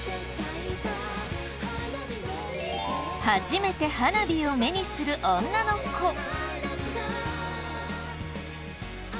初めて花火を目にする女の子。